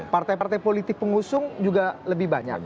partai partai politik pengusung juga lebih banyak